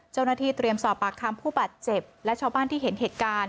เจ้าหน้าที่เตรียมสอบปากคำผู้บาดเจ็บและชาวบ้านที่เห็นเหตุการณ์